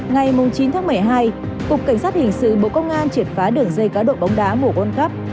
ngày chín tháng một mươi hai cục cảnh sát hình sự bộ công an triệt phá đường dây cá độ bóng đá mùa world cup